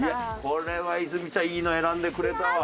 これは泉ちゃんいいのを選んでくれたわ。